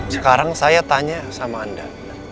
sekarang saya tanya sama anda